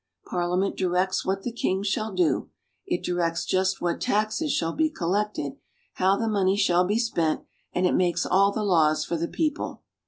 Parliament directs what the king shall do ; it directs just what taxes shall be collected, how the money shall be spent, and it makes all the laws for the people.